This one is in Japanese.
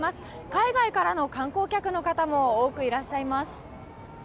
海外からの観光客の方も多くいらっしゃいます。